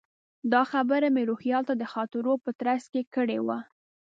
دا خبره مې روهیال ته د خاطرو په ترڅ کې کړې وه.